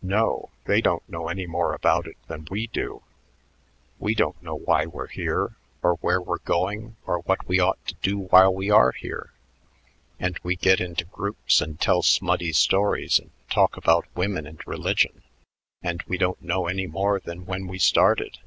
No, they don't know any more about it than we do. We don't know why we're here or where we're going or what we ought to do while we are here. And we get into groups and tell smutty stories and talk about women and religion, and we don't know any more than when we started.